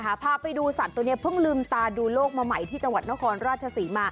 พาไปดูสัตว์ตัวนี้เพิ่งลืมตาดูโลกมาใหม่ที่จังหวัดนครราชศรีมา